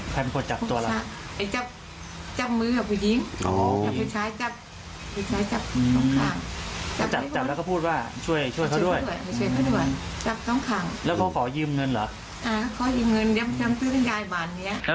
แล้วเขาขอยืมเงินเหรอ